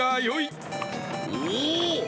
おお！